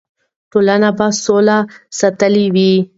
ټولنه به سوله ساتلې وي.